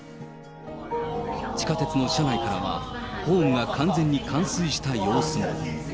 地下鉄の車内からは、ホームが完全に冠水した様子も。